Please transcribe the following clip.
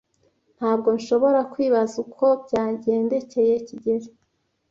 Ntabwo nshobora kwibaza uko byagendekeye kigeli.